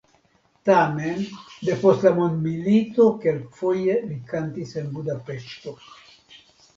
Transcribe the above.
Tamen depost la mondomilito kelkfoje li kantis en Budapeŝto.